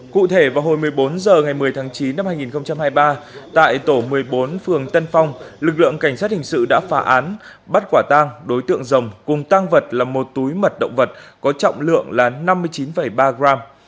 cụ thể vào hồi một mươi bốn h ngày một mươi tháng chín năm hai nghìn hai mươi ba tại tổ một mươi bốn phường tân phong lực lượng cảnh sát hình sự đã phá án bắt quả tang đối tượng rồng cùng tang vật là một túi mật động vật có trọng lượng là năm mươi chín ba gram